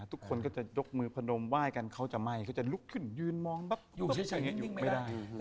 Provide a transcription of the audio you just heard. ทุกคนก็จะยกมือพนมไหว้กันเขาจะไหม้เขาจะลุกขึ้นยืนมองแบบอยู่เฉยอยู่ไม่ได้